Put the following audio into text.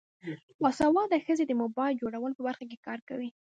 باسواده ښځې د موبایل جوړولو په برخه کې کار کوي.